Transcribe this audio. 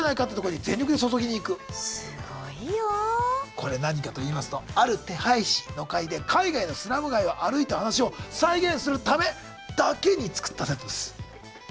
これ何かといいますと「ある手配師」の回で海外のスラム街を歩いた話を再現するためだけに作ったセットです。